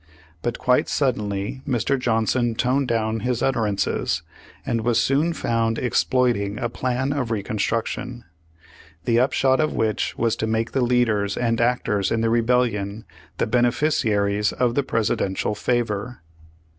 But quite suddenly Mr. Johnson toned down his utterances, and was soon found exploiting a plan of Reconstruction, the upshot of which was to make the leaders and actors in the Rebellion the beneficiaries of the Presidential favor.